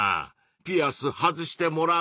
ピアス外してもらう？